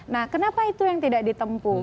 nah kenapa itu yang tidak ditempu